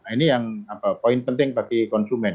ini yang poin penting bagi konsumen